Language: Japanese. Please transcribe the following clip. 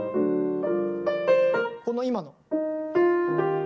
この今の。